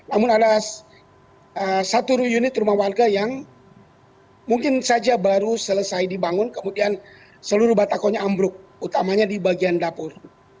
namun ada satu unit rumah warga yang mungkin saja baru selesai dibangun kemudian seluruh batakonya ambruk utamanya di bagian dapur